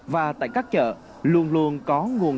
và tại các chợ luôn luôn có nhiều người mua sắm